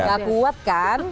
nggak kuat kan